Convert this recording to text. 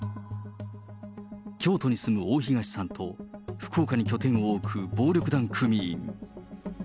京都に住む大東さんと、福岡に拠点を置く暴力団組員。